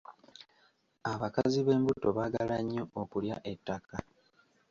Abakazi b'embuto baagala nnyo okulya ettaka.